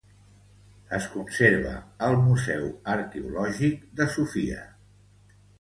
Es conserva al Museu Arqueològic de Sofia.